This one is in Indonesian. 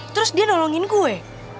terus dia nolongin gue